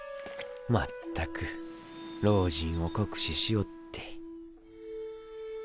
まったく老人を酷使しおって。